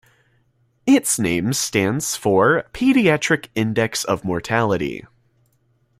Its name stands for "Paediatric Index of Mortality".